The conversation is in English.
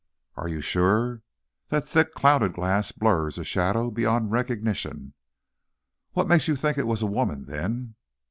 "Are you sure? That thick, clouded glass blurs a shadow beyond recognition." "What makes you think it was a woman, then?"